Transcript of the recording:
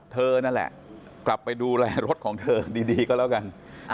เธอนั่นแหละกลับไปดูแลรถของเธอดีก็แล้วกัน